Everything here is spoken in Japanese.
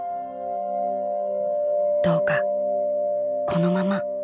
どうかこのまま。